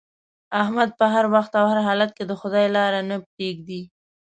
احمد په هر وخت او هر حالت کې د خدای لاره نه پرېږدي.